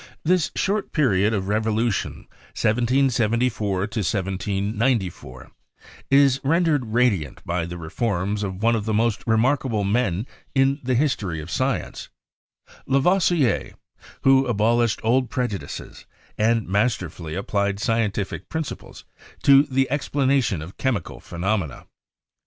This short period of revolution (1774 1794) is rendered radiant by the reforms of one of the most remarkable men in the history of science, Lavoisier, who abolished old prejudices and masterfully applied scientific principles to the explanation of chemical phenomena.